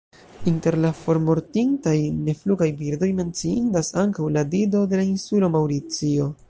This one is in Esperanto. Inter la formortintaj neflugaj birdoj menciindas ankaŭ la Dido de la insulo Maŭricio.